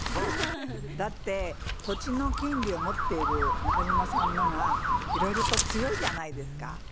だって土地の権利を持っている中島さんのがいろいろと強いじゃないですか。